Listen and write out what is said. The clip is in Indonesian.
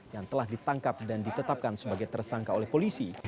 yang telah ditangkap dan ditetapkan sebagai tersangka oleh polisi